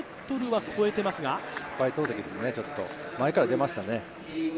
１４ｍは超えていますが失敗投てきですね、ちょっと前から出ましたね。